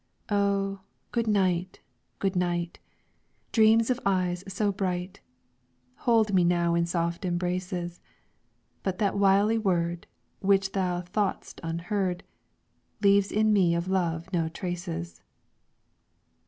"Oh, good night! good night! Dreams of eyes so bright, Hold me now in soft embraces, But that wily word, Which thou thought'st unheard, Leaves in me of love no traces.